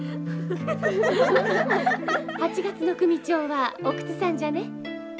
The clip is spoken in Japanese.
８月の組長は奥津さんじゃね？